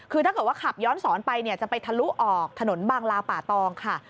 คือถ้าเกิดว่าขับย้อนสอนไปเนี่ยจะไปทะลุออกถนนบางลาป่าตองค่ะ